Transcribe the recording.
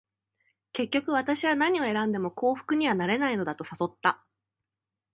結局、私は何を選んでも幸福にはなれないのだと悟った。